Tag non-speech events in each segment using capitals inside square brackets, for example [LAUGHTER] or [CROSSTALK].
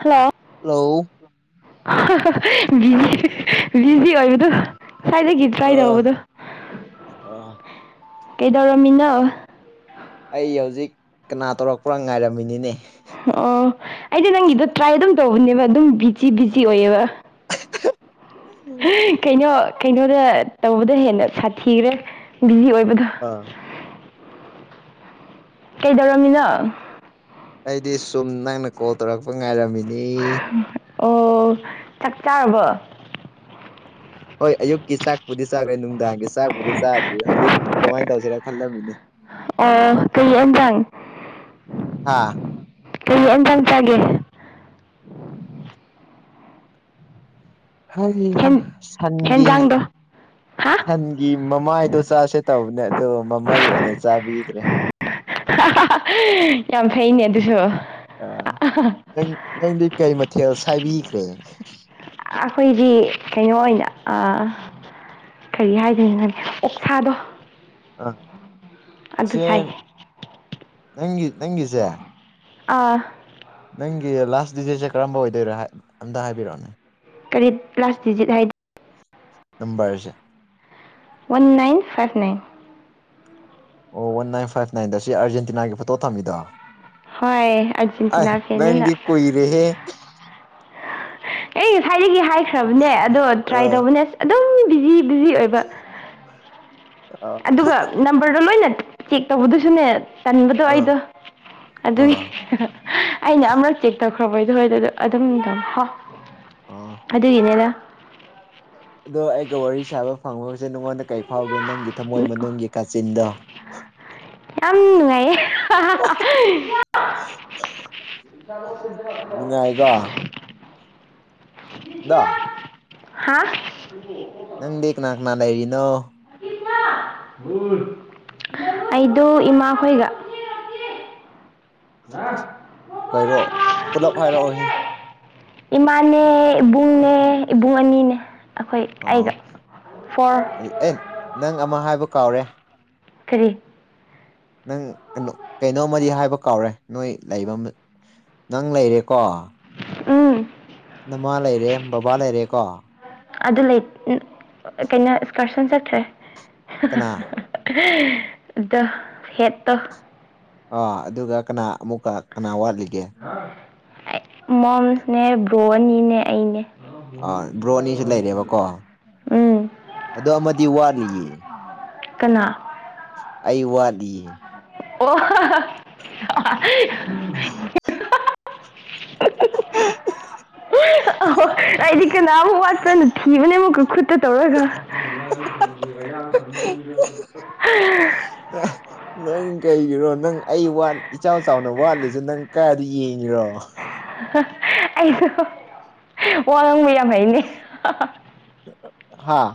hello hello busy busy ꯑꯣꯏꯕꯗꯨ ꯁꯥꯏꯗꯒꯤ try ꯑ ꯇꯧꯕꯗꯨ ꯑ ꯀꯩꯗꯧꯔꯝꯃꯤꯅꯣ ꯑꯩ ꯍꯧꯖꯤꯛ ꯀꯅꯥ ꯇꯧꯔꯛꯄ꯭ꯔꯥ ꯉꯥꯏꯔꯝꯃꯤꯅꯤꯅꯦ ꯑꯣ ꯑꯩꯗꯤ ꯅꯪꯒꯤꯗꯣ ꯇ꯭ꯔꯥꯏ ꯑꯗꯨꯝ ꯇꯧꯕꯅꯦꯕ ꯑꯗꯨꯝ ꯕꯤꯖꯤ ꯕꯤꯖꯤ ꯑꯣꯏꯌꯦꯕ ꯀꯩꯅꯣ ꯀꯩꯅꯣꯗ ꯇꯧꯕꯗ ꯍꯦꯟꯅ ꯁꯥꯊꯤꯔꯦ ꯕꯤꯖꯤ ꯑꯣꯏꯕꯗꯣ ꯑꯥ ꯀꯩꯗꯧꯔꯝꯃꯤꯅꯣ ꯑꯩꯗꯤ ꯁꯨꯝ ꯅꯪꯅ ꯀꯣꯜ ꯇꯧꯔꯛꯄ ꯉꯥꯏꯔꯝꯃꯤꯅꯦ ꯑꯣ ꯆꯥꯛ ꯆꯥꯔꯕꯣ ꯍꯣꯏ ꯑꯌꯨꯛꯀꯤ ꯆꯥꯛꯄꯨꯗꯤ ꯆꯥꯒ꯭ꯔꯦ ꯅꯨꯡꯗꯥꯡꯒꯤ ꯆꯥꯛꯄꯨꯗꯤ ꯆꯥꯗ꯭ꯔꯤ ꯍꯧꯖꯤꯛ ꯀꯃꯥꯏꯟ ꯇꯧꯁꯤꯔ ꯈꯜꯂꯝꯃꯤꯅꯦ ꯑꯣ ꯀꯩ ꯑꯦꯟꯖꯥꯡ ꯍꯥ ꯀꯩ ꯑꯦꯟꯖꯥꯡ ꯆꯥꯒꯦ [INAUDIBLE] ꯍꯩꯍꯥ ꯍꯦꯟ ꯁꯟꯒꯤ ꯍꯦꯟꯖꯥꯡꯗꯣ ꯍꯥ ꯁꯟ ꯒꯤ ꯃꯃꯥꯏꯗꯣ ꯆꯥꯁꯦ ꯇꯧꯕꯅꯦ ꯑꯗꯣ ꯃꯃꯩ ꯑꯣꯏꯅ ꯆꯥꯕꯤꯈ꯭ꯔꯦ ꯌꯥꯝ ꯐꯩꯅꯦ ꯑꯗꯨꯁꯨ ꯑꯥ ꯅꯪ ꯅꯪꯗꯤ ꯀꯩ ꯃꯊꯦꯜ ꯁꯥꯏꯕꯤꯈ꯭ꯔꯦ ꯑꯈꯣꯏꯗꯤ ꯀꯩꯅꯣ ꯑꯣꯏꯅ ꯑ ꯀꯔꯤ ꯍꯥꯏꯗꯣꯏꯅꯣꯅꯦ ꯑꯣꯛꯁꯥꯗꯣ ꯑꯥ ꯑꯗꯨ ꯆꯥꯏ ꯁꯦꯝ ꯅꯪꯒꯤ ꯅꯪꯒꯤꯁꯦ ꯑꯥ ꯅꯪꯒꯤ ꯂꯥꯁ ꯗꯤꯖꯤꯠꯁꯦ ꯀꯔꯝꯕ ꯑꯣꯏꯗꯣꯏꯔꯥ ꯑꯝꯇ ꯍꯥꯏꯕꯤꯔꯛꯑꯣꯅꯦ ꯀꯔꯤ ꯔꯥꯁ ꯗꯤꯖꯤꯠ ꯍꯥꯏ ꯅꯝꯕꯔꯁꯦ ꯋꯥꯟ ꯅꯥꯏꯟ ꯐꯥꯏꯚ ꯅꯥꯏꯟ ꯑꯣ ꯋꯥꯟ ꯅꯥꯏꯟ ꯐꯥꯏꯚ ꯅꯥꯏꯟꯗ ꯁꯤ ꯑꯥꯔꯖꯦꯟꯇꯤꯅꯥꯒꯤ ꯐꯣꯇꯣ ꯊꯝꯃꯤꯗꯣ ꯍꯣꯏ ꯑꯥꯏ ꯑꯥꯔꯖꯦꯟꯇꯤꯅꯥ ꯐꯦꯟꯅꯤꯅ ꯅꯡꯗꯤ ꯀꯨꯏꯔꯦꯍꯦ ꯑꯩ ꯉꯁꯥꯏꯗꯒꯤ ꯍꯥꯏꯈ꯭ꯔꯕꯅꯦ ꯑꯗꯣ ꯇ꯭ꯔꯥꯏ ꯑꯥ ꯇꯧꯕꯅꯦ ꯑꯗꯨꯝ ꯕꯤꯖꯤ ꯕꯤꯖꯤ ꯑꯣꯏꯕ ꯑ ꯑꯗꯨꯒ ꯅꯝꯕꯔꯗꯣ ꯂꯣꯏꯅ ꯆꯦꯛ ꯇꯧꯕꯗꯨꯁꯨꯅꯦ ꯇꯟꯕꯗꯣ ꯑꯥ ꯑꯩꯗꯣ ꯑ ꯑꯗꯨꯒꯤ ꯑꯩꯅ ꯑꯃ꯭ꯔꯛ ꯆꯦꯛ ꯇꯧꯈ꯭ꯔꯕ ꯍꯣꯏꯗꯨꯗ ꯑꯗꯨꯝ ꯇꯧ ꯍꯣ ꯑ ꯑꯗꯨꯒꯤꯅꯦꯗ ꯑꯗꯣ ꯑꯩꯒ ꯋꯥꯔꯤ ꯁꯥꯕ ꯐꯪꯕꯕꯁꯦ ꯅꯉꯣꯟꯗ ꯀꯩ ꯐꯥꯎꯒꯦ ꯅꯪꯒꯤ ꯊꯝꯃꯣꯏ ꯃꯅꯨꯡꯒꯤ ꯀꯥꯆꯤꯟꯗꯣ ꯌꯥꯝ ꯅꯨꯡꯉꯥꯏꯌꯦ ꯅꯨꯡꯉꯥꯏꯀꯣ ꯑꯗꯣ [UNINTELLIGIBLE] ꯍꯥ ꯅꯪꯗꯤ ꯀꯅꯥ ꯀꯅꯥ ꯂꯩꯔꯤꯅꯣ ꯏꯃꯥ ꯑꯩꯗꯣ ꯏꯃꯥꯈꯣꯏꯒ ꯍꯥ ꯀꯩꯔꯣ ꯄꯨꯂꯞ ꯍꯥꯏꯔꯛꯑꯣꯍꯦ ꯏꯃꯥꯅꯦ ꯏꯕꯨꯡꯅꯦ ꯏꯕꯨꯡ ꯑꯅꯤꯅꯦ ꯑꯩꯈꯣꯏ ꯑꯣ ꯑꯩꯒ ꯐꯣꯔ ꯑꯗꯨ ꯑꯦ ꯅꯪ ꯑꯃ ꯍꯥꯏꯕ ꯀꯥꯎꯔꯦ ꯀꯔꯤ ꯅꯪ ꯀꯩꯅꯣ ꯀꯩꯅꯣꯝꯃꯗꯤ ꯍꯥꯏꯕ ꯀꯥꯎꯔꯦ ꯅꯣꯏ ꯂꯩꯕ ꯅꯪ ꯂꯩꯔꯦꯀꯣ ꯎꯝ ꯅꯃꯥ ꯂꯩꯔꯦ ꯕꯕꯥ ꯂꯩꯔꯦ ꯀꯣ ꯑꯗꯨ ꯂꯩ ꯀꯩꯅꯣ ꯑꯦꯁꯀꯔꯁꯟ ꯆꯠꯈ꯭ꯔꯦ ꯀꯅꯥ ꯑꯗ ꯍꯦꯠꯇꯣ ꯑꯥ ꯑꯗꯨꯒ ꯀꯅꯥ ꯑꯃꯨꯛꯀ ꯀꯅꯥ ꯋꯥꯠꯂꯤꯒꯦ ꯑꯩ ꯃꯣꯝꯅꯦ ꯕ꯭ꯔꯣꯑꯅꯤꯅꯦ ꯑꯩꯅꯦ ꯑꯥ ꯕ꯭ꯔꯣ ꯑꯅꯤꯁꯨ ꯂꯩꯔꯦꯕꯀꯣ ꯎꯝ ꯑꯗꯣ ꯑꯃꯗꯤ ꯋꯥꯠꯂꯤꯌꯦ ꯀꯅꯥ ꯑꯩ ꯋꯥꯂꯤꯌꯦ ꯑꯣ [INAUDIBLE] [UNINTELLIGIBLE] ꯑꯣ ꯑꯩꯗꯤ ꯀꯅꯥꯃꯨꯛ ꯋꯥꯠꯄꯔꯅ ꯊꯤꯕꯅꯦ ꯑꯃꯨꯛꯀ ꯈꯨꯠꯇ ꯇꯧꯔꯒ [UNINTELLIGIBLE] ꯑ ꯅꯪ ꯀꯩꯒꯤꯔꯣ ꯅꯪ ꯑꯩ ꯋꯥꯠ ꯏꯆꯥꯎ ꯆꯥꯎꯅ ꯋꯥꯠꯂꯤꯁꯦ ꯅꯪ ꯀꯥꯏꯗ ꯌꯦꯡꯉꯤꯔꯣ ꯑꯩꯁꯨ ꯋꯥ ꯉꯥꯡꯕ ꯌꯥꯝ ꯍꯩꯅꯦ ꯍꯥꯥ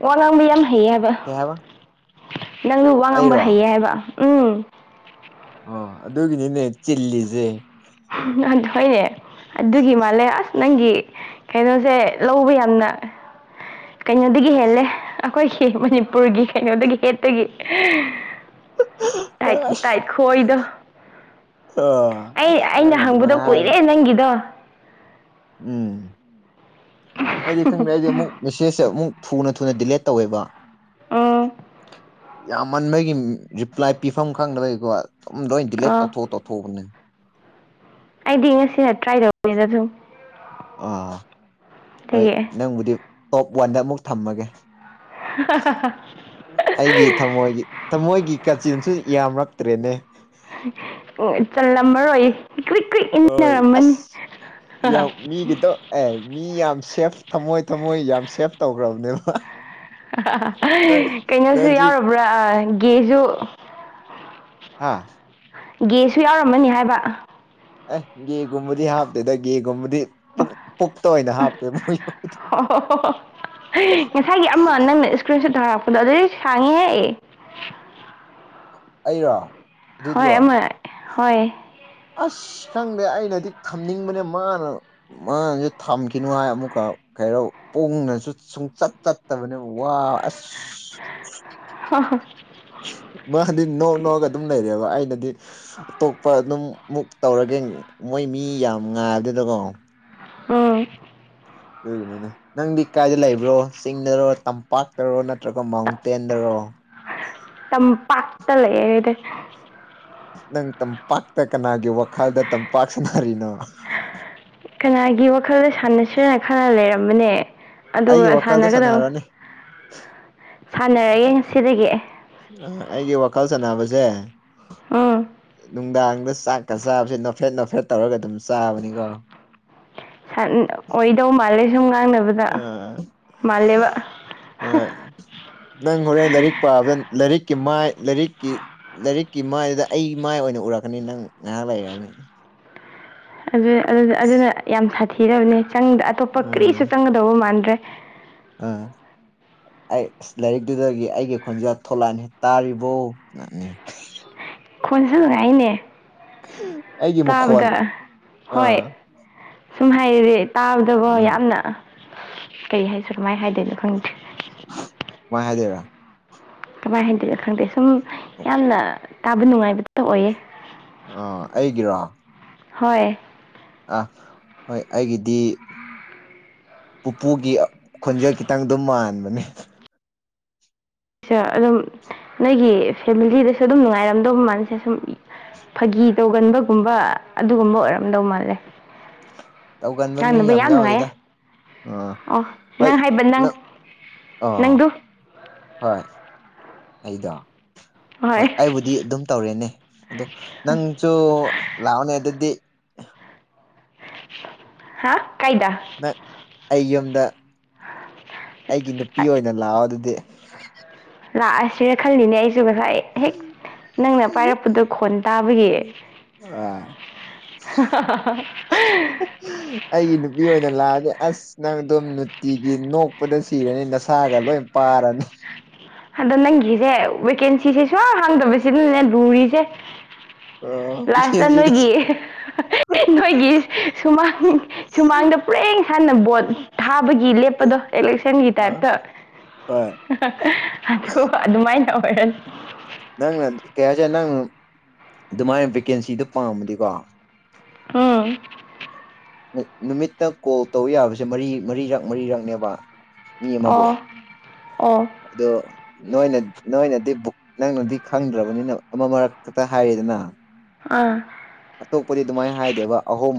ꯋꯥ ꯉꯥꯡꯕ ꯌꯥꯝ ꯍꯩꯌꯦ ꯍꯥꯏꯕ ꯀꯩ ꯍꯥꯏꯕ ꯅꯪꯁꯨ ꯋꯥ ꯉꯥꯡꯕ ꯑꯩꯔꯣ ꯍꯩꯌꯦ ꯍꯥꯏꯕ ꯎꯝ ꯑꯣ ꯑꯗꯨꯒꯤꯅꯤꯅꯦ ꯆꯤꯜꯂꯤꯁꯦ ꯑꯗꯨꯑꯣꯏꯔꯦ ꯑꯗꯨꯒꯤ ꯃꯥꯜꯂꯦ ꯑꯁ ꯅꯪꯒꯤ ꯀꯩꯅꯣꯁꯦ ꯂꯧꯕ ꯌꯥꯝꯅ ꯀꯩꯅꯣꯗꯒꯤ ꯍꯦꯜꯂꯦ ꯑꯈꯣꯏꯒꯤ ꯃꯅꯤꯄꯨꯔꯒꯤ ꯀꯩꯅꯣꯗꯒꯤ ꯍꯦꯠꯇꯒꯤ ꯇꯥꯏ ꯑꯁ ꯇꯥꯏꯈꯣꯏꯗꫭ ꯑꯣ ꯑꯩ ꯑꯁ ꯑꯩꯅ ꯅꯪꯅ ꯍꯪꯕꯗꯣ ꯑꯗꯨꯃꯥꯏꯅ ꯍꯥꯏꯕ ꯀꯨꯏꯔꯦ ꯅꯪꯒꯤꯗꯣ ꯎꯝ ꯑꯩꯗꯤ ꯈꯪꯗꯦ ꯑꯩꯗꯤ ꯑꯃꯨꯛ ꯃꯦꯁꯦꯖꯁꯦ ꯑꯃꯨꯛ ꯊꯨꯅ ꯊꯨꯅ ꯗꯤꯂꯦꯠ ꯇꯧꯋꯦꯕ ꯎꯝ ꯌꯥꯝꯃꯟꯕꯒꯤ ꯔꯤꯄ꯭ꯂꯥꯏ ꯄꯤꯐꯝ ꯈꯪꯗꯕꯩꯀꯣ ꯑꯗꯨꯝ ꯂꯣꯏ ꯗꯤꯂꯦꯠ ꯑꯣ ꯇꯧꯊꯣꯛ ꯇꯧꯊꯣꯛꯄꯅꯦ ꯑꯩꯗꯤ ꯉꯁꯤꯅ ꯇ꯭ꯔꯥꯏ ꯇꯧꯕꯅꯦꯗ‌ ꯁꯨꯝ ꯑꯥ ꯍꯣꯏ ꯑꯗꯒꯤ ꯅꯪꯕꯨꯗꯤ ꯇꯣꯞ ꯋꯥꯟꯗ ꯑꯃꯨꯛ ꯊꯝꯃꯒꯦ [UNINTELLIGIBLE] ꯑꯩꯒꯤ ꯊꯃꯣꯏꯒꯤ ꯊꯃꯣꯏꯒꯤ ꯀꯥꯆꯤꯟꯁꯨ ꯌꯥꯝꯔꯛꯇ꯭ꯔꯦꯅꯦ ꯆꯜꯂꯝꯃꯔꯣꯏ ꯀ꯭ꯔꯤꯛ ꯀ꯭ꯔꯤꯛ ꯍꯣꯏ ꯏꯟꯅꯔꯝꯃꯅꯤ ꯑꯁ ꯌꯥꯝ ꯃꯤꯒꯤꯗꯣ ꯑꯦ ꯃꯤ ꯌꯥꯝ ꯁꯦꯐ ꯊꯝꯃꯣꯏ ꯊꯝꯃꯣꯏ ꯌꯥꯝ ꯁꯦꯐ ꯇꯧꯒ꯭ꯔꯕꯅꯦꯕ ꯀꯩꯅꯣꯁꯨ ꯅꯪꯖꯤ ꯌꯥꯎꯔꯕ꯭ꯔꯥ ꯑ ꯒꯦꯖꯨ ꯍꯥ ꯒꯦꯁꯨ ꯌꯥꯎꯔꯝꯃꯅꯤ ꯍꯥꯏꯕ ꯑꯦ ꯒꯦꯒꯨꯝꯕꯗꯤ ꯍꯥꯞꯇꯦꯗ ꯒꯦꯒꯨꯝꯕꯗꯤ ꯄꯨꯛ ꯄꯨꯛꯇ ꯑꯣꯏꯅ ꯍꯥꯞꯄꯦ ꯃꯣꯏ ꯑꯣ ꯄ꯭ꯔꯤꯁꯟ ꯊꯥꯔꯛꯄꯗꯣ ꯑꯗꯨꯗꯤ ꯁꯥꯡꯉꯤꯍꯦ ꯑꯩꯔꯣ ꯍꯣꯏ ꯑꯗꯨꯗꯨꯔꯣ ꯑꯃ ꯍꯣꯏ ꯑꯁ ꯈꯪꯗꯦ ꯑꯩꯅꯗꯤ ꯊꯝꯅꯤꯡꯕꯅꯦ ꯃꯥꯅ ꯃꯥꯅꯖꯨ ꯊꯝꯈꯤꯅꯨ ꯍꯥꯏ ꯑꯃꯨꯛꯀ ꯀꯩꯔꯣ ꯄꯨꯡꯅꯁꯨ ꯁꯨꯡꯆꯠ ꯆꯠꯇꯕꯅꯤ ꯋꯥ ꯑꯁ [UNINTELLIGIBLE] ꯃꯥꯗꯤ ꯅꯣꯛ ꯅꯣꯛꯑꯒ ꯑꯗꯨꯝ ꯂꯩꯔꯦꯕ ꯑꯩꯅꯗꯤ ꯑꯇꯣꯞꯄ ꯑꯗꯨꯝ ꯃꯨꯛ ꯇꯧꯔꯒꯦ ꯃꯣꯏ ꯃꯤ ꯌꯥꯝ ꯉꯥꯜꯂꯦꯗꯀꯣ ꯎꯝ ꯑꯗꯨꯒꯤꯅꯤꯗ ꯅꯪꯗꯤ ꯀꯥꯏꯗ ꯂꯩꯕ꯭ꯔꯣ ꯆꯤꯡꯗꯔꯣ ꯇꯝꯄꯥꯛꯇꯔꯣ ꯅꯠꯇ꯭ꯔꯒ ꯃꯥꯎꯟꯇꯦꯟꯗꯔꯣ ꯇꯝꯄꯥꯛꯇ ꯂꯩꯌ‌ꯦ ꯑꯩꯗꯤ ꯅꯪ ꯇꯝꯄꯥꯛꯇ ꯀꯅꯥꯒꯤ ꯋꯥꯈꯜꯗ ꯇꯝꯄꯥꯛ ꯁꯅꯥꯔꯤꯅꯣ ꯀꯅꯥꯒꯤ ꯋꯥꯈꯜꯗ ꯁꯥꯟꯅꯁꯤꯔ ꯈꯔ ꯂꯩꯔꯝꯕꯅꯦ ꯑꯗꯨ ꯑꯩꯒꯤ ꯋꯥꯈꯜꯗ ꯁꯥꯟꯅꯒꯗ ꯁꯥꯟꯅꯔꯣꯅꯦ ꯁꯥꯟꯅꯔꯒ‌ꯦ ꯉꯁꯤꯗꯒꯤ ꯑꯩꯒꯤ ꯋꯥꯈꯜ ꯁꯥꯟꯅꯕꯁꯦ ꯎꯝ ꯅꯨꯡꯗꯥꯡꯗ ꯆꯥꯛ ꯀ ꯆꯥꯕꯁꯦ ꯅꯣꯐꯦꯠ ꯅꯣꯐꯦꯠ ꯇꯧꯔꯒ ꯑꯗꯨꯝ ꯆꯥꯕꯅꯤꯀꯣ ꯑꯣꯏꯗꯧ ꯃꯥꯜꯂꯦ ꯁꯨꯝ ꯉꯥꯡꯅꯕꯗ ꯑꯥ ꯃꯥꯜꯂꯦꯕ ꯍꯣꯏ ꯅꯪ ꯍꯣꯔꯦꯟ ꯂꯥꯏꯔꯤꯛ ꯄꯥꯕꯗ ꯂꯥꯏꯔꯤꯛꯀꯤ ꯃꯥꯏ ꯂꯥꯏꯔꯤꯛꯀꯤ ꯂꯥꯏꯔꯤꯛꯀꯤ ꯃꯥꯏꯗꯨꯗ ꯑꯩ ꯃꯥꯏ ꯑꯣꯏꯅ ꯎꯔꯛꯀꯅꯤ ꯅꯪ ꯉꯥꯏꯍꯥꯛ ꯂꯩꯔꯅꯤ ꯑꯗꯨꯅ ꯑꯗꯨꯅ ꯑꯗꯨꯅ ꯌꯥꯝ ꯁꯥꯊꯤꯔꯕꯅꯦ ꯆꯪ ꯑꯇꯣꯞꯄ ꯀ꯭ꯔꯤꯁꯨ ꯆꯪꯒꯗꯧꯕ ꯃꯥꯟꯗ꯭ꯔꯦ ꯑ ꯑꯩ ꯑꯁ ꯂꯥꯏꯔꯤꯛꯇꯨꯗꯒꯤ ꯑꯩꯒꯤ ꯈꯣꯟꯖꯦꯜ ꯊꯣꯛꯂꯛꯑꯅꯤ ꯇꯥꯔꯤꯕꯣ ꯅꯅꯤ ꯈꯣꯟꯖꯤꯜ ꯍꯥꯏꯅ‌ꯦ ꯑꯩꯒꯤ ꯃꯈꯣꯟ ꯍꯣꯏ ꯑꯥ ꯁꯨꯝ ꯍꯥꯏꯗꯤ ꯇꯥꯕꯗꯀꯣ ꯎꯝ ꯌꯥꯝꯅ ꯀꯩ ꯍꯥꯏꯁꯤꯔ ꯀꯃꯥꯏ ꯍꯥꯏꯗꯣꯏꯅꯣ ꯈꯪꯗ꯭ꯔ‌ꯦ ꯀꯃꯥꯏ ꯍꯥꯏꯗꯣꯏꯔ ꯀꯃꯥꯏ ꯍꯥꯏꯗꯣꯏꯔ ꯈꯪꯗꯦ ꯁꯨꯝ ꯌꯥꯝꯅ ꯇꯥꯕ ꯅꯨꯡꯉꯥꯏꯕꯗ ꯑꯣꯏꯌꯦ ꯑ ꯑꯩꯒꯤꯔꯣ ꯍꯣꯏ ꯑꯥ ꯍꯣꯏ ꯑꯩꯒꯤꯗꯤ ꯄꯨꯄꯨꯒꯤ ꯈꯣꯟꯖꯦꯜ ꯈꯤꯇꯪ ꯗꯨꯝ ꯃꯥꯟꯕꯅꯦ ꯁ ꯑꯗꯨꯝ ꯅꯣꯏꯒꯤ ꯐꯦꯃꯤꯂꯤꯗꯁꯨ ꯑꯗꯨꯝ ꯅꯨꯡꯉꯥꯏꯔꯝꯗꯧ ꯃꯥꯅꯤꯁꯦ ꯁꯨꯝ ꯐꯥꯒꯤ ꯇꯧꯒꯟꯕꯒꯨꯝꯕ ꯑꯗꯨꯒꯨꯝꯕ ꯑꯣꯏꯔꯝꯗꯧ ꯃꯥꯜꯂꯦ ꯇꯧꯒꯟꯕ ꯃꯤ ꯉꯥꯡꯅꯕ ꯌꯥꯝ ꯅꯨꯡꯉꯥꯏꯌꯦ ꯌꯥꯎꯗꯦꯗ ꯑꯥ ꯑꯣ ꯅꯪ ꯍꯥꯏꯕ ꯅꯪ ꯑꯥ ꯅꯪꯗꯨ ꯍꯣꯏ ꯑꯩꯗꯣ ꯍꯣꯏ ꯑꯩꯕꯨꯗꯤ ꯗꯤ ꯑꯗꯨꯝ ꯇꯧꯔꯦꯅꯦ ꯑꯗꯣ ꯅꯪꯁꯨ ꯂꯥꯛꯑꯣꯅꯦ ꯑꯗꯨꯗꯤ ꯍꯥꯥ ꯀꯥꯏꯗ ꯑꯩ ꯌꯨꯝꯗ ꯑꯩꯒꯤ ꯅꯨꯄꯤ ꯑꯣꯏꯅ ꯂꯥꯛꯑꯣ ꯑꯗꯨꯗꯤ ꯂꯥꯛꯑꯁꯤꯔ ꯈꯜꯂꯤꯅꯦ ꯑꯩꯁꯨ ꯉꯁꯥꯏ ꯍꯦꯛ ꯅꯪꯅ ꯄꯥꯏꯔꯛꯄꯗꯣ ꯈꯣꯟ ꯇꯥꯕꯒꯤ ꯎꯝ ꯑꯥ [INAUDIBLE] ꯑꯩꯒꯤ ꯅꯨꯄꯤ ꯑꯣꯏꯅ ꯂꯥꯛꯑꯗꯤ ꯑꯁ ꯅꯪ ꯑꯗꯨꯝ ꯅꯨꯇꯤꯒꯤ ꯅꯣꯛꯄꯗ ꯁꯤꯔꯅꯤ ꯅꯁꯥꯒ ꯂꯣꯏ ꯄꯥꯔꯅꯤ ꯑꯗꯣ ꯅꯪꯒꯤꯁꯦ ꯚꯦꯀꯦꯟꯁꯤꯁꯦ ꯁꯨꯡ ꯍꯥꯡꯗꯕꯁꯤꯅꯅꯦ ꯂꯨꯔꯤꯁꯦ ꯂꯥꯁꯇ ꯚꯦꯀꯦꯟꯁꯤꯗ ꯅꯣꯏꯒꯤ ꯅꯣꯏꯒꯤ ꯁꯨꯃꯥꯡ ꯁꯨꯃꯥꯡꯗ ꯄꯨꯔꯦꯟ ꯁꯥꯟꯅ ꯕꯣꯠ ꯊꯥꯕꯒꯤ ꯂꯦꯞꯄꯗꯣ ꯏꯂꯦꯛꯁꯟꯒꯤ ꯇꯥꯏꯞꯇ ꯍꯣꯏ ꯑꯗꯣ ꯑꯗꯨꯃꯥꯏꯅ ꯇꯧꯔꯅꯤ ꯅꯪꯅ ꯀꯩ ꯍꯥꯏꯁꯦ ꯅꯪꯅ ꯑꯗꯨꯃꯥꯏꯅ ꯚꯦꯀꯦꯟꯁꯤꯗꯣ ꯄꯥꯝꯃꯗꯤꯀꯣ ꯎꯝ ꯅꯨꯃꯤꯠꯇ ꯀꯣꯜ ꯇꯧ ꯌꯥꯕꯁꯦ ꯃꯔꯤ ꯃꯔꯤꯔꯛ ꯃꯔꯤꯔꯛꯅꯦꯕ ꯃꯤ ꯑꯃꯕꯨ ꯑꯣ ꯑꯣ ꯑꯗꯣ ꯅꯣꯏꯅ ꯅꯣꯏꯅꯗꯤꯕꯨ ꯅꯪꯅꯗꯤ ꯈꯪꯗ꯭ꯔꯕꯅꯤꯅ ꯑꯃ ꯃꯔꯛ ꯈꯛꯇ ꯍꯥꯏꯔꯤꯗꯅ ꯑꯥ ꯑꯇꯣꯞꯄꯗꯤ ꯑꯗꯨꯃꯥꯏꯅ ꯍꯥꯏꯗꯦꯕ ꯑꯍꯨꯝ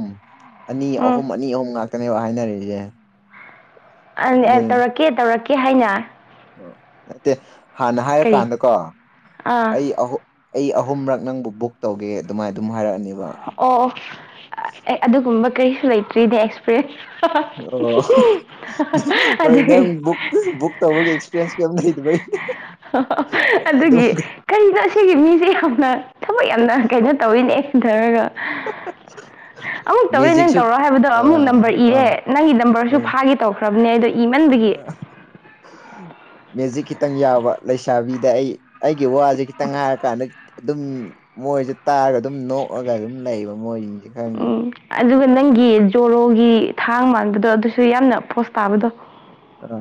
ꯑꯅꯤ ꯑꯍꯨꯝ ꯑꯅꯤ ꯑꯍꯨꯝ ꯉꯥꯛꯇꯅꯦꯕ ꯍꯥꯏꯅꯔꯤꯁꯦ ꯑꯩꯅ ꯑꯦ ꯇꯧꯔꯛꯀꯦ ꯇꯧꯔꯛꯀꯦ ꯍꯥꯏꯅ ꯑꯣ ꯅꯠꯇꯦ ꯍꯥꯟꯅ ꯀꯔꯤ ꯍꯥꯏꯔꯀꯥꯟꯗꯀꯣ ꯑꯥ ꯑꯩ ꯑꯍꯨꯝ ꯑꯩ ꯑꯍꯨꯝꯔꯛ ꯅꯪꯕꯨ ꯕꯨꯛ ꯇꯧꯒꯦ ꯑꯗꯨꯃꯥꯏꯅ ꯑꯗꯨꯝ ꯍꯥꯏꯔꯛꯑꯅꯤ ꯑꯣ ꯑꯣ ꯑꯗꯨꯒꯨꯝꯕ ꯀꯔꯤꯁꯨ ꯂꯩꯇ꯭ꯔꯤꯅꯦ ꯑꯩꯁꯨ ꯑꯣ ꯑꯗꯨ ꯑꯁ ꯕꯨꯛ ꯇꯧꯕꯒꯤ ꯑꯦꯛꯁꯄꯤꯔꯤꯌꯦꯟꯁ ꯀꯩꯝ ꯂꯩꯗꯕꯩ ꯑꯗꯨꯝ ꯑꯗꯨꯒꯤ ꯀꯔꯤꯅꯣ ꯑꯁꯤꯒꯤ ꯃꯤꯁꯦ ꯌꯥꯝꯅ ꯊꯕꯛ ꯌꯥꯝꯅ ꯀꯩꯅꯣ ꯇꯧꯋꯤꯅꯦ ꯇꯧꯔꯒ ꯑꯃꯨꯛ ꯇꯧꯔꯦ ꯅꯪ ꯃꯦꯖꯤꯛꯁꯨ ꯇꯧꯔꯣ ꯍꯥꯏꯕꯗꯣ ꯑꯃꯨꯛ ꯑꯥ ꯅꯝꯕꯔ ꯏꯔꯦ ꯑꯥ ꯅꯪꯒꯤ ꯅꯝꯕꯔꯁꯨ ꯑꯥ ꯐꯥꯈꯤ ꯇꯧꯈ꯭ꯔꯕꯅꯦ ꯑꯗꯣ ꯏꯃꯟꯕꯒꯤ ꯃꯦꯖꯤꯛ ꯈꯤꯇꯪ ꯌꯥꯎꯕ ꯂꯩꯁꯥꯕꯤꯗ ꯑꯩ ꯑꯩꯒꯤ ꯋꯥꯁꯦ ꯈꯤꯇꯪ ꯍꯥꯏꯔꯀꯥꯟꯗ ꯑꯗꯨꯝ ꯃꯣꯏꯁꯦ ꯇꯥꯔꯒ ꯑꯗꯨꯝ ꯅꯣꯛꯑꯒ ꯑꯗꯨꯝ ꯂꯩꯌꯦꯕ ꯃꯣꯏꯁꯤꯡꯁꯦ ꯎ ꯈꯪꯉꯤ ꯑꯗꯨꯒ ꯅꯪꯒꯤ ꯖꯣꯔꯣꯒꯤ ꯊꯥꯡ ꯃꯥꯟꯕꯗꯣ ꯑꯗꯨꯁꯨ ꯌꯥꯝꯅ ꯄꫭꯁ ꯇꯥꯕꯗꯣ ꯑ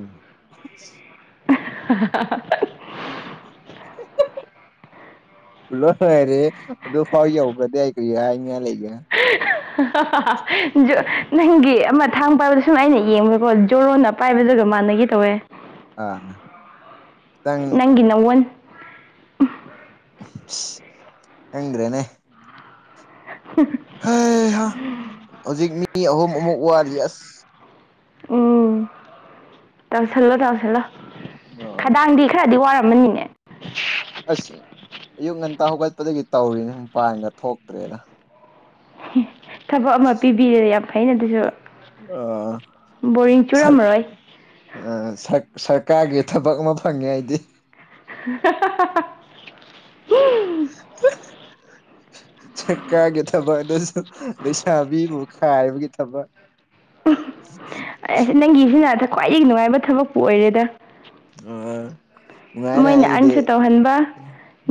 [INAUDIBLE] [UNINTELLIGIBLE] ꯂꯣꯏꯔꯦ ꯑꯗꯨꯐꯥꯎ ꯌꯧꯒ꯭ꯔꯗꯤ ꯑꯩ ꯀꯔꯤ ꯍꯥꯏꯅꯤꯉꯥꯏ ꯂꯩꯒꯦ [UNINTELLIGIBLE] ꯖꫭ ꯅꯪꯒꯤ ꯑꯃ ꯊꯥꯡ ꯄꯥꯏꯕꯗ ꯁꯨꯝꯥꯏꯅ ꯌꯦꯡꯕꯗꯀꯣ ꯖꯣꯔꯣꯅ ꯄꯥꯏꯕꯗꯨꯒ ꯃꯥꯟꯅꯒꯤ ꯇꯧꯋꯦ ꯑꯥ ꯅꯪ ꯅ ꯋꯥꯟ ꯈꯪꯗ꯭ꯔꯦꯅꯦ [INAUDIBLE] ꯍꯩꯍꯥ ꯍꯧꯖꯤꯛ ꯃꯤ ꯑꯍꯨꯝ ꯑꯃꯨꯛ ꯋꯥꯠꯂꯤ ꯑꯁ ꯎꯝ ꯇꯧꯁꯜꯂꯣ ꯇꯧꯁꯜꯂꯣ ꯑꯣ ꯈꯗꯥꯡꯗꯤ ꯈꯔꯗꯤ ꯋꯥꯔꯝꯃꯅꯤꯅꯦ ꯑꯁ ꯑꯌꯨꯛ ꯉꯟꯇꯥ ꯍꯧꯒꯠꯄꯗꯒꯤ ꯇꯧꯔꯤꯅꯤ ꯃꯄꯥꯟꯒ ꯊꯣꯛꯇ꯭ꯔꯦꯗ [INAUDIBLE] ꯊꯕꯛ ꯑꯃ ꯄꯤꯕꯤꯔꯦ ꯌꯥꯝ ꯐꯩꯅ ꯑꯗꯨꯁꯨ ꯑꯥ ꯕꯣꯔꯤꯡ ꯆꯨꯔꯝꯃꯔꯣꯏ ꯑ ꯁꯔ ꯁꯔꯀꯥꯔꯒꯤ ꯊꯕꯛ ꯑꯃ ꯐꯪꯉꯦ ꯑꯩꯗꯤ ꯍꯥꯍꯥꯍꯥ ꯎꯝ ꯁꯔꯀꯥꯔꯒꯤ ꯊꯕꯛ ꯑꯗꯨꯁꯨ ꯂꯩꯁꯥꯕꯤ ꯒꯨꯝꯕ ꯈꯥꯏꯕꯒꯤ ꯊꯕꯛ [INAUDIBLE] ꯑꯦꯁ ꯅꯪꯒꯤꯁꯤꯅ ꯑꯗ ꯈ꯭ꯋꯥꯏꯗꯒꯤ ꯅꯨꯡꯉꯥꯏꯕ ꯊꯕꯛꯄꯨ ꯑꯣꯏꯔꯦꯗ ꯑ ꯅꯨꯡꯉꯥꯏꯅ ꯃꯣꯏꯅ ꯑꯩꯒꯤꯗꯤ ꯑꯟꯁꯨ ꯇꯧꯍꯟꯕ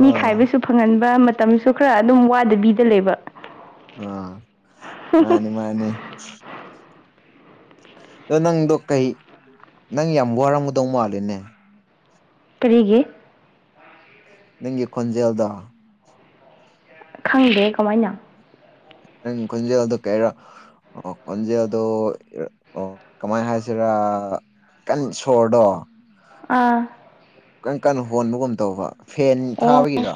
ꯃꯤ ꯑꯥ ꯈꯥꯏꯕꯁꯨ ꯐꯪꯍꯟꯕ ꯃꯇꯝꯁꯨ ꯈꯔ ꯑꯗꯨꯝ ꯋꯥꯗꯕꯤꯗ ꯂꯩꯕ ꯑ ꯃꯥꯅꯦ ꯃꯥꯅꯦ ꯑ ꯅꯪꯗꯣ ꯀꯩ ꯅꯪ ꯌꯥꯝ ꯋꯥꯔꯝꯒꯗꯧ ꯃꯥꯂꯦꯅꯦ ꯀꯔꯤꯒꯤ ꯅꯪꯒꯤ ꯈꯣꯟꯖꯦꯜꯗꯣ ꯈꯪꯗꯦ ꯀꯃꯥꯏꯅ ꯅꯪ ꯈꯣꯟꯖꯦꯜꯗꯣ ꯀꯩꯔꯥ ꯑꯣ ꯈꯣꯟꯖꯦꯜꯗꯣ ꯑꯣ ꯀꯃꯥꯏꯅ ꯍꯥꯏꯁꯤꯔꯥ ꯀꯟ ꯁꯣꯔꯗꯣ ꯑꯥ ꯀꯟ ꯀꯟꯅ ꯍꯣꯟꯕꯒꯨꯝ ꯇꯧꯕ ꯐꯦꯟ ꯑꯣ ꯊꯥꯕꯒꯤꯔ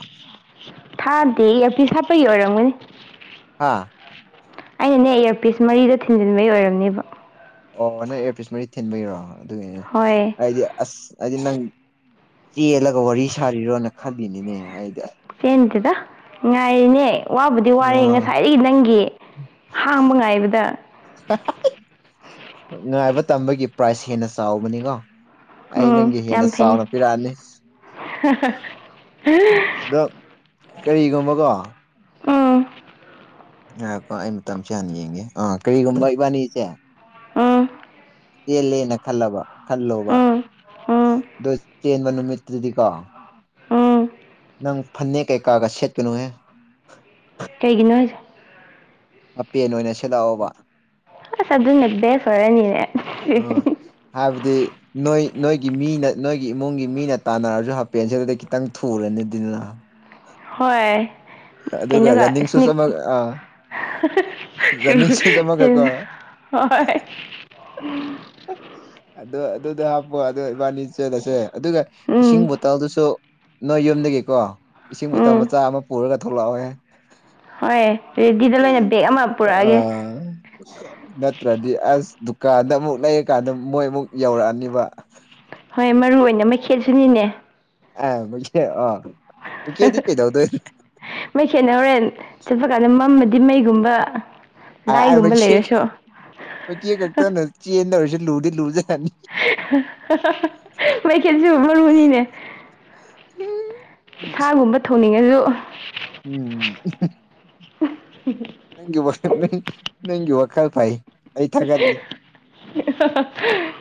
ꯊꯥꯗꯦ ꯏꯌꯔꯄꯤꯁ ꯍꯥꯞꯄꯒꯤ ꯑꯣꯏꯔꯝꯒꯅꯤ ꯍꯥ ꯑꯩꯅꯅꯦ ꯏꯌꯥꯔꯄꯤꯁ ꯃꯔꯤꯖꯦ ꯊꯤꯟꯖꯤꯟꯕꯩ ꯑꯣꯏꯔꯝꯅꯤꯕ ꯑꯣ ꯅꯪ ꯑꯦꯌꯔꯄꯤꯁ ꯃꯔꯤ ꯊꯤꯟꯕꯩꯔꯣ ꯑꯗꯨꯒꯤꯅꯦ ꯍꯣꯏ ꯑꯩꯗꯤ ꯑꯁ ꯑꯩꯗꯤ ꯅꯪ ꯆꯦꯜꯂꯒ ꯋꯥꯔꯤ ꯁꯥꯔꯤꯔꯣꯅ ꯈꯜꯂꯤꯅꯤꯅꯦ ꯑꯩꯗꯤ ꯑꯁ ꯆꯦꯟꯗꯦꯗ ꯉꯥꯏꯔꯤꯅꯦ ꯋꯥꯕꯨꯗꯤ ꯋꯥꯔꯦ ꯑ ꯉꯁꯥꯏꯗꯒꯤ ꯅꯪꯒꯤ ꯍꯥꯡꯕ ꯉꯥꯏꯕꯗ ꯉꯥꯏꯕ ꯇꯝꯕꯒꯤ ꯄ꯭ꯔꯥꯏꯁ ꯍꯦꯟꯅ ꯆꯥꯎꯕꯅꯤꯀꯣ ꯑꯩ ꯎꯝ ꯅꯪꯒꯤ ꯍꯦꯟꯅ ꯌꯥꯝ ꯐꯩꯅꯦ ꯆꯥꯎꯅ ꯄꯤꯔꯛꯑꯅꯤ ꯑꯗꯣ [UNINTELLIGIBLE] ꯀꯔꯤꯒꯨꯝꯕꯀꯣ ꯎꯝ ꯉꯥꯏꯈꯣ ꯀꯣ ꯑꯩ ꯃꯇꯝꯁꯦ ꯍꯥꯟꯅ ꯌꯦꯡꯒꯦ ꯑꯥ ꯀꯔꯤꯒꯨꯝꯕ ꯏꯕꯥꯅꯤꯁꯦ ꯎꯝ ꯆꯦꯜꯂꯦꯅ ꯈꯜꯂꯕ ꯈꯜꯂꯣꯕ ꯎꯝ ꯎꯝ ꯑꯗꯣ ꯆꯦꯟꯕ ꯅꯨꯃꯤꯠꯇꯨꯗꯤ ꯀꯣ ꯎꯝ ꯅꯪ ꯐꯟꯅꯦꯛ ꯀꯩꯀꯥꯒ ꯁꯦꯠꯀꯅꯨꯍꯦ ꯀꯩꯒꯤꯅꯣ ꯍꯥꯏꯁꯦ ꯍꯥꯞꯄꯦꯟ ꯑꯣꯏꯅ ꯁꯦꯠꯂꯛꯑꯣꯕ ꯑꯁ ꯑꯗꯨꯅ ꯕꯦꯁ ꯑꯣꯏꯔꯅꯤꯅꯦ ꯑꯥ ꯍꯥꯏꯕꯗꯤ ꯅꯣꯏ ꯅꯣꯏꯒꯤ ꯃꯤꯅ ꯅꯣꯏꯒꯤ ꯏꯃꯨꯡꯒꯤ ꯃꯤꯅ ꯇꯥꯟꯅꯔꯁꯨ ꯍꯥꯄꯦꯟ ꯁꯦꯠꯂꯗꯤ ꯈꯤꯇꯪ ꯊꯨ ꯊꯨꯔꯅꯤꯗꯤꯅ ꯍꯣꯏ ꯑꯗꯨꯒ ꯀꯩꯅꯣꯒ ꯔꯟꯅꯤꯡ ꯁꯨꯁ ꯁ꯭ꯅꯤꯛ ꯑꯃꯒ ꯑꯥ ꯔꯟꯅꯤꯡ ꯁꯨꯁ ꯑꯃꯒꯀꯣ [UNINTELLIGIBLE] ꯍꯣꯏ ꯑꯗꯨ ꯑꯗꯨꯗꯣ ꯍꯥꯞꯄꯣ ꯑꯗꯨ ꯏꯕꯥꯅꯤ ꯆꯦꯜꯂꯁꯦ ꯑꯗꯨꯒ ꯎꯝ ꯏꯁꯤꯡ ꯕꯣꯇꯜꯗꯨꯁꯨ ꯅꯣꯏ ꯌꯨꯝꯗꯒꯤꯀꯣ ꯏꯁꯤꯡ ꯕꯣꯇꯜ ꯎꯝ ꯃꯆꯥ ꯑꯃ ꯄꯨꯔꯒ ꯊꯣꯛꯂꯛꯑꯣꯍꯦ ꯍꯣꯏ ꯔꯦꯗꯤꯗ ꯂꯣꯏꯅ ꯕꯦꯛ ꯑꯃ ꯄꯨꯔꯛꯑꯒꯦ ꯑꯥ ꯅꯠꯇ꯭ꯔꯗꯤ ꯑꯁ ꯗꯨꯀꯥꯟꯗ ꯑꯃꯨꯛ ꯂꯩꯔꯀꯥꯟꯗ ꯃꯣꯏ ꯑꯃꯨꯛ ꯌꯧꯔꯛꯑꯅꯤꯕ ꯍꯣꯏ ꯃꯔꯨ ꯑꯣꯏꯅ ꯃꯩꯈꯦꯠꯁꯨꯅꯤꯅꯦ ꯑ ꯃꯩꯈꯦꯠ ꯑꯣ ꯃꯩꯈ‌ꯦꯠꯗꯤ ꯀꯩꯗꯧꯗ‌ꯣꯏ ꯃꯩꯈꯦꯠꯅ ꯍ‌ꯣꯔꯦꯟ ꯆꯠꯄ ꯀꯥꯟꯗ ꯃꯝꯃꯗꯤ ꯃꯩꯒꯨꯝꯕ ꯂꯥꯏꯒꯨꯝꯕ ꯂꯩꯔꯁꯨ ꯃꯩꯈ‌ꯦꯠ‌ ꯈꯛꯇꯅ ꯆꯦꯟꯗꯧꯔꯤꯁꯤ ꯂꯨꯗꯤ ꯂꯨꯖꯥꯠꯅꯤ [UNINTELLIGIBLE] ꯃꯩꯈ‌ꯦꯠꯁꯨ ꯃꯔꯨꯅꯤꯅꯦ ꯁꯥꯒꯨꯝꯕ ꯊꯣꯡꯅꯤꯡꯉꯁꯨ ꯎꯝ [UNINTELLIGIBLE] ꯅꯪꯒꯤ ꯋꯥꯈꯜ ꯅꯪ‌ ꯅꯪꯒꯤ ꯋꯥꯈꯜ ꯐꯩ ꯑꯩ ꯊꯥꯒꯠꯂꯤ [UNINTELLIGIBLE]